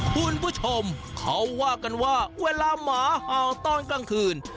คุณผู้ชมเขาว่ากันว่าเวลาหมาเห่าตอนกลางคืน